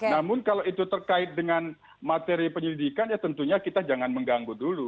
namun kalau itu terkait dengan materi penyelidikan ya tentunya kita jangan mengganggu dulu